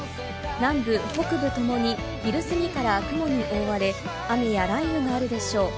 南部、北部ともに昼過ぎから雲に覆われ、雨や雷雨があるでしょう。